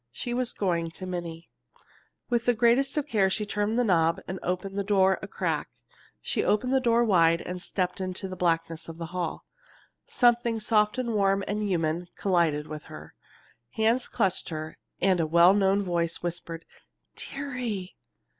She was going to Minnie. With the greatest care she turned the knob and opened the door a crack. She opened the door wide and stepped into the blackness of the hall. Something soft and warm and human collided with her. Hands clutched her, and a well known voice whispered, "Dearie!"